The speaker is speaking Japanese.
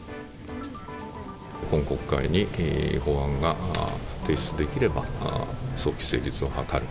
今国会に法案が提出できれば、早期成立を図る。